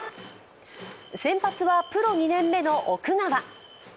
先発はプロ２年目の奥川。